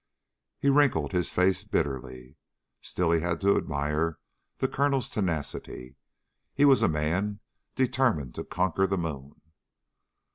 He wrinkled his face bitterly. Still he had to admire the Colonel's tenacity. He was a man determined to conquer the moon.